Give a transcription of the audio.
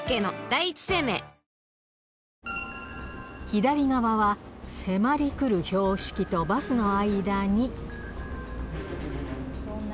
左側は迫りくる標識とバスの間に。